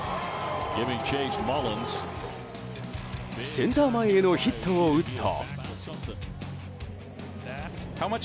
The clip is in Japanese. センター前へのヒットを打つと。